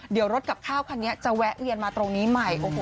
เดี๋ยวรถกับข้าวคันนี้จะแวะเวียนมาตรงนี้ใหม่